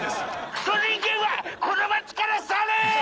クソ人間はこの町から去れー！